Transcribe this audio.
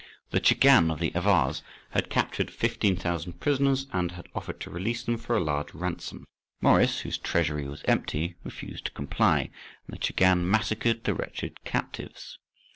The Chagan of the Avars had captured 15,000 prisoners, and offered to release them for a large ransom. Maurice—whose treasury was empty—refused to comply, and the Chagan massacred the wretched captives.